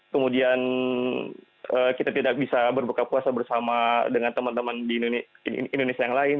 kemudian kita tidak bisa berbuka puasa bersama dengan teman teman di indonesia yang lain